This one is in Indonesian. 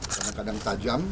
karena kadang tajam